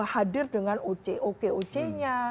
hadir dengan oc oke oc nya